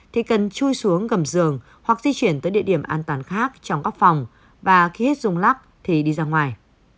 thì cần chui xuống gầm giường hoặc di chuyển tới địa điểm an toàn khác trong các phòng và khi hết rung lắc thì đi ra ngoài